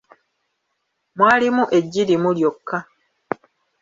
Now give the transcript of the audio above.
Mwalimu eggi limu lyokka.